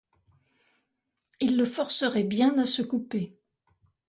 Il le forcerait bien à se couper.